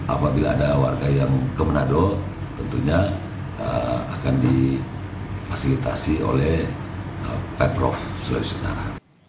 apabila ada warga yang ke menado tentunya akan difasilitasi oleh pemprov sulawesi utara